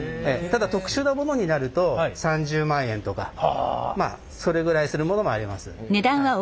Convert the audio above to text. ただ特殊なものになると３０万円とかまあそれぐらいするものもあります。